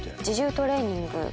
自重トレーニング。